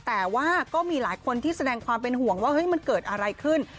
แต่ว่าก็มีหลายคนที่แสดงความเป็นห่วงว่าเฮ้ยมันเกิดอะไรขึ้น